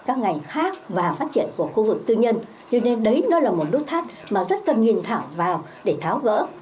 các ngành khác và phát triển của khu vực tư nhân cho nên đấy nó là một nút thắt mà rất cần nhìn thẳng vào để tháo gỡ